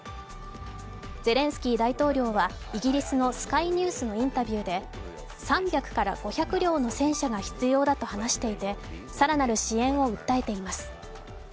ゼレンスキー大統領はイギリスのスカイニュースのインタビューで３００から５００両の戦車が必要だと話していて更なる支援を訴えています。